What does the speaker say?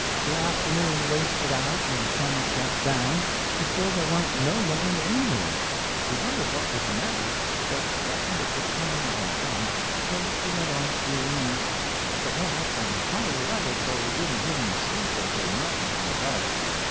The afternoon wasted out and the sun shut down, and still there warn't no land anywheres. We wondered what was the matter, but reckoned it would come out all right, so we went on steering east, but went up on a higher level so we wouldn't hit any steeples or mountains in the dark.